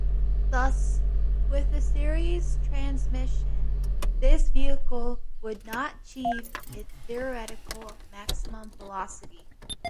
Thus, with the series transmission, this vehicle would not achieve its theoretical maximum velocity.